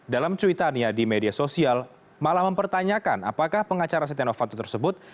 dalam cuitannya di media sosial malah mempertanyakan apakah pengacara setia novanto tersebut